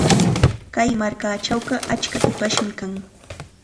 Kay markachawqa achka hipashmi kan.